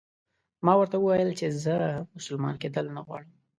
ما ورته وویل چې زه مسلمان کېدل نه غواړم.